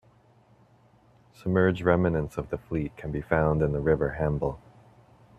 Submerged remnants of the fleet can be found in the River Hamble.